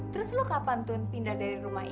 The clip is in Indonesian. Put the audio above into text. terus lu kapan tun pindah dari rumah ini